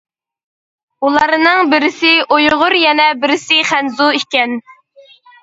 ئۇلارنىڭ بىرسى ئۇيغۇر يەنە بىرسى خەنزۇ ئىكەن.